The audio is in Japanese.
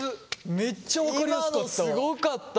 めっちゃ分かりやすかった。